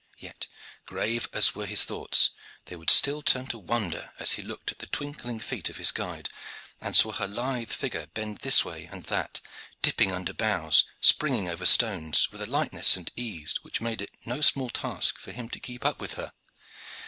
Yet, grave as were his thoughts, they would still turn to wonder as he looked at the twinkling feet of his guide and saw her lithe figure bend this way and that, dipping under boughs, springing over stones, with a lightness and ease which made it no small task for him to keep up with her.